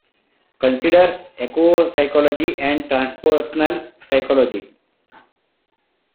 Consider ecopsychology and transpersonal psychology.